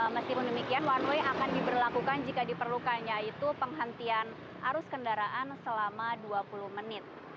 meskipun demikian one way akan diberlakukan jika diperlukan yaitu penghentian arus kendaraan selama dua puluh menit